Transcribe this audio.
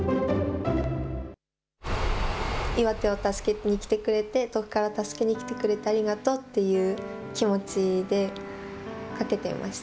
岩手を助けに来てくれて、遠くから助けに来てくれてありがとうっていう。